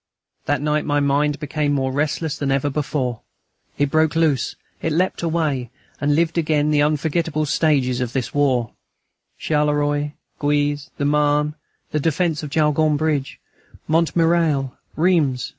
That night my mind became more restless than ever before; it broke loose, it leapt away, and lived again the unforgettable stages of this war: Charleroi, Guise, the Marne, the defence of the Jaulgonne bridge, Montmirail, Reims